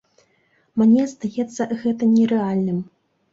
Мне здаецца гэта нерэальным.